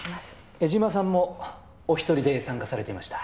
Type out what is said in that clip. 江島さんもお一人で参加されていました。